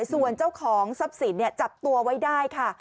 ส่วนเจ้าของทรัพย์สินจับตัวไว้ได้ค่ะ